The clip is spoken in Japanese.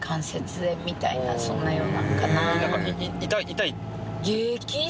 痛い？